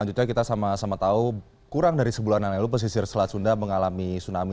selanjutnya kita sama sama tahu kurang dari sebulan yang lalu pesisir selat sunda mengalami tsunami